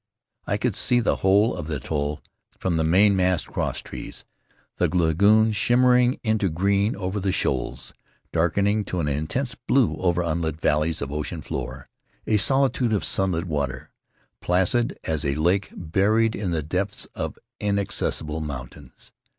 I could see the whole of the atoll from the mainmast crosstrees, the lagoon, sriimmering into green over the shoals, darkening to an intense blue over unlit valleys of ocean floor; a solitude of sunlit water, placid as a lake buried in the depths of inaccessible mountains.